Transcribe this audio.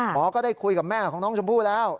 หมอก็ได้คุยกับแม่ของน้องชมพู่แล้ว